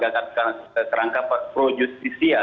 kerangka pro justisia